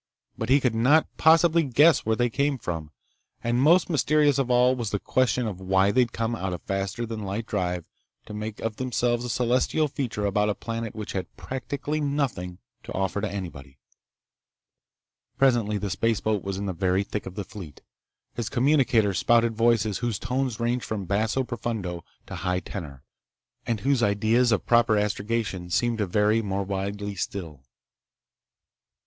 But he could not possibly guess where they came from. And most mysterious of all was the question of why they'd come out of faster than light drive to make of themselves a celestial feature about a planet which had practically nothing to offer to anybody. Presently the spaceboat was in the very thick of the fleet. His communicator spouted voices whose tones ranged from basso profundo to high tenor, and whose ideas of proper astrogation seemed to vary more widely still.